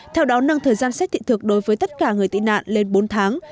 theo đó nâng thời gian xét thị thực đối với tất cả người tị nạn lên bốn tháng